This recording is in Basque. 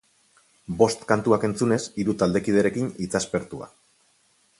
Bost kantuak entzunez, hiru taldekiderekin hitzaspertua.